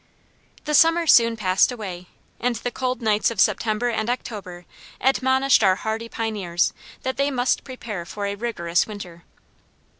The summer soon passed away, and the cold nights of September and October admonished our hardy pioneers that they must prepare for a rigorous winter.